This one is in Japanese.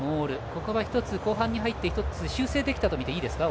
ここは１つ、後半に入って修正できたとみていいですか。